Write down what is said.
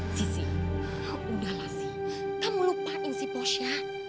sisi udahlah sih kamu lupain si posya